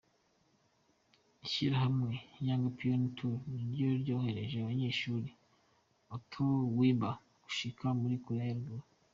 Ishirahamwe Young Pioneer Tours niryo ryorohereje umunyeshuli Otto Warmbier, gushika muri Korea ya Ruguru.